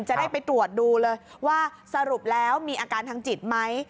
จะได้ไปตรวจดูเลยว่าสรุปแล้วมีอาการทางจิตไหม